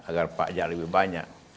agar pajak lebih banyak